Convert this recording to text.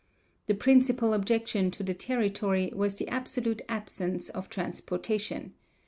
The principal objection to the territory was the absolute absence of transportation.